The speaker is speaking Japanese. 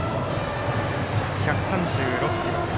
１３６キロ。